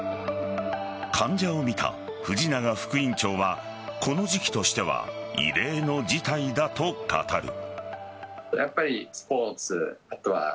患者を診た藤永副院長はこの時期としては異例の事態だと語る。